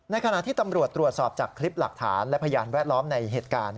ขณะที่ตำรวจตรวจสอบจากคลิปหลักฐานและพยานแวดล้อมในเหตุการณ์